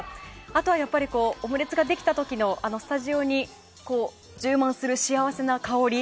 あとはオムレツができた時のあのスタジオに充満する幸せな香り。